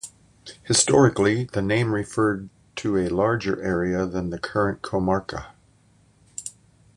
Historically, the name referred to a larger area than the current comarca.